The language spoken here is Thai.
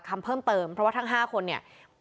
เพราะว่าพ่อมีสองอารมณ์ความรู้สึกดีใจที่เจอพ่อแล้ว